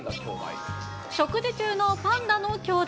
食事中のパンダの兄弟。